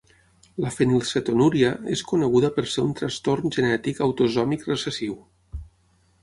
La fenilcetonúria és coneguda per ser un trastorn genètic autosòmic recessiu.